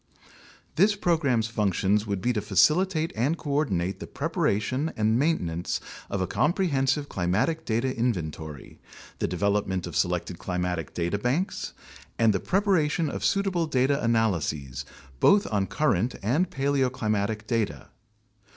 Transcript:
This program's functions would be to facilitate and coordinate the preparation and maintenance of a comprehensive climatic data inven tory, the development of selected climatic data banks, and the prepara tion of suitable data analyses, based on both current and paleoclimatic data.